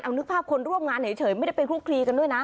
เอานึกภาพคนร่วมงานเฉยไม่ได้ไปคลุกคลีกันด้วยนะ